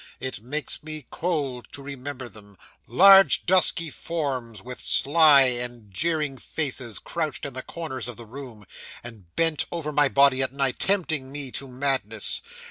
It makes me cold to remember them. Large dusky forms with sly and jeering faces crouched in the corners of the room, and bent over my bed at night, tempting me to madness.